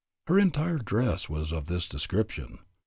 Her entire dress was of this description.